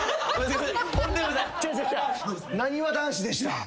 なにわ男子でした。